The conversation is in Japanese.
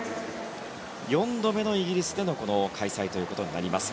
４度目のイギリスでのこの開催となります。